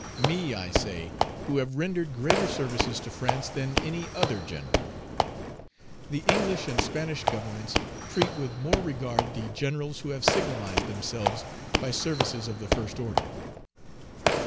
Me, I say, who have rendered greater services to France than any other general? The English and Spanish Governments treat with more regard the generals who have signalized themselves by services of the first order."